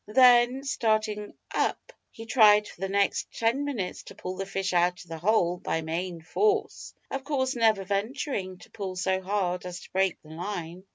Then, starting up, he tried for the next ten minutes to pull the fish out of the hole by main force, of course never venturing to pull so hard as to break the line.